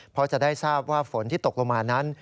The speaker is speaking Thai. เพราะจะได้ทราบว่าฝนที่ตกลงมานั้น